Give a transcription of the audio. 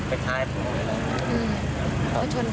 แต่เราเขายกสวน